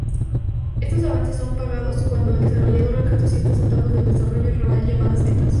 Estos avances son pagados cuando el desarrollador alcanza ciertas etapas del desarrollo, llamadas "metas".